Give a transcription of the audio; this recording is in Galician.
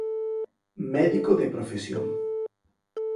Médico de profesión.